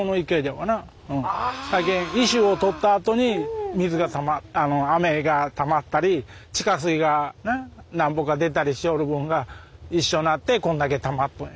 石を採ったあとに雨がたまったり地下水がなんぼか出たりしよる分が一緒になってこんだけたまった。